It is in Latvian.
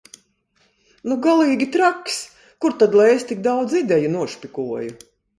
Nu galīgi traks! Kur tad lai es tik daudz ideju nošpikoju?